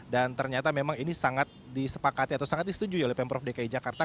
dan ternyata memang ini sangat disepakati atau sangat disetujui oleh pemprov dki jakarta